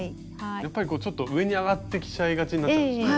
やっぱりこうちょっと上に上がってきちゃいがちになっちゃいますよね。